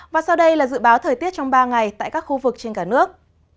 và sau đây là dự báo thời tiết trong ba ngày tại các khu vực trên cả nước